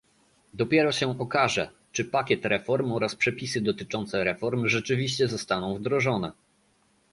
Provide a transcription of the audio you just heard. Dopiero się okaże, czy pakiet reform oraz przepisy dotyczące reform rzeczywiście zostaną wdrożone